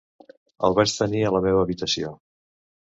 El vaig tenir a la meva habitació.